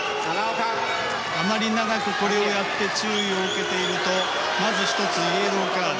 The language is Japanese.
あまり長くこれをやって注意を受けているとまず１つ、イエローカード。